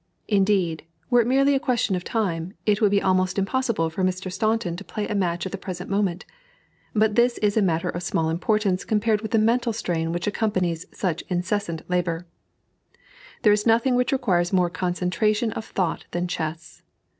Indeed, were it merely a question of time it would be almost impossible for Mr. Staunton to play a match at the present moment; but this is a matter of small importance compared with the mental strain which accompanies such incessant labor. There is nothing which requires more concentration of thought than chess.